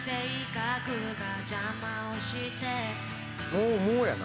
「もうもうやな」